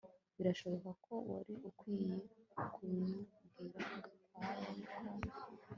Birashoboka ko wari ukwiye kubibwira Gakwaya ko